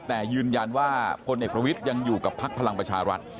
แต่ยืนยันว่าพลเอกประวิทย์ยังอยู่กับพักพลังประชารัฐ